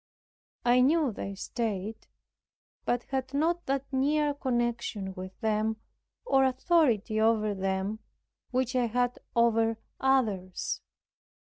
I knew their state, but had not that near connection with, or authority over them, which I had over others.